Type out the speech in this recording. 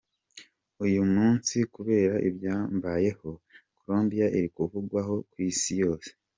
Uyu munsi kubera ibyambayeho, Colombia iri kuvugwaho ku isi yose.